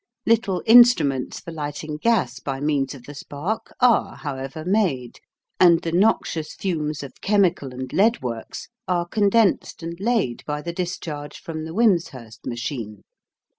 Little instruments for lighting gas by means of the spark are, however, made, and the noxious fumes of chemical and lead works are condensed and laid by the discharge from the Wimshurst machine.